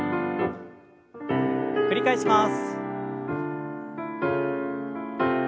繰り返します。